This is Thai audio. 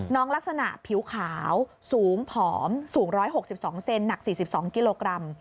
ลักษณะผิวขาวสูงผอมสูง๑๖๒เซนหนัก๔๒กิโลกรัม